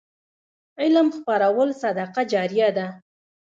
علم خپرول صدقه جاریه ده.